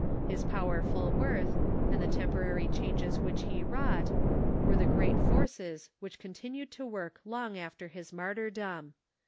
His personal worth, and the temporary changes which he wrought, were the great forces which con tinued to work long after his martyrdom.